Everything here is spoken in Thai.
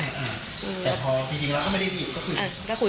แต่พอจริงแล้วก็ไม่ได้ผิดก็คุย